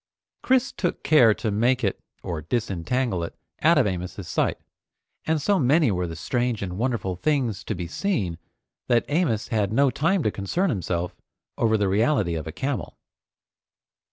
Chris took care to make it or disentangle it out of Amos's sight, and so many were the strange and wonderful things to be seen, that Amos had no time to concern himself over the reality of a camel.